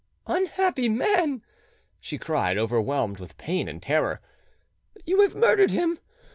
"Unhappy man!" she cried, overwhelmed with, pain and terror, "you have murdered him!